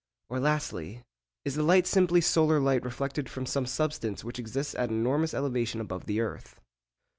Or, lastly, is the light simply solar light reflected from some substance which exists at an enormous elevation above the earth?